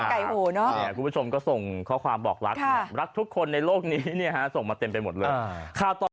ไก่หูเนาะคุณผู้ชมก็ส่งข้อความบอกรักรักทุกคนในโลกนี้เนี่ยฮะส่งมาเต็มไปหมดเลย